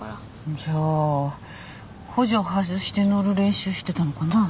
じゃあ補助外して乗る練習してたのかな？